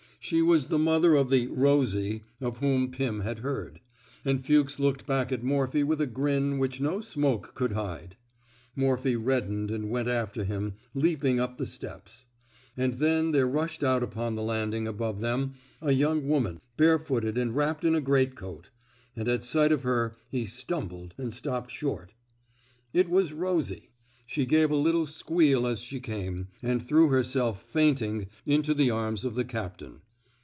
She was the mother of the Rosie '' of whom Pim had heard; and Fuchs looked back at Morphy with a grin which no smoke could hide. Morphy reddened and went after him, leaping up the steps. And then there rushed out upon the landing above them a young woman, barefooted, and wrapped in a greatcoat; and at sight of her he stumbled and stopped short. It was Rosie. ^^ She gave a little squeal as she came, and threw herself fainting into the arms of the captain.